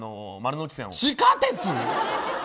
地下鉄！？